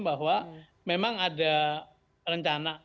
bahwa memang ada rencana